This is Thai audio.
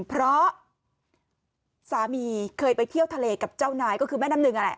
เพราะสามีเคยไปเที่ยวทะเลกับเจ้านายก็คือแม่น้ำหนึ่งนั่นแหละ